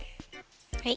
はい。